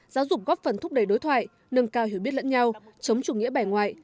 giáo dục góp phần thúc đẩy đối thoại nâng cao hiểu biết lẫn nhau chống chủ nghĩa bẻ ngoại